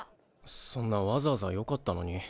そんなわざわざよかったのに。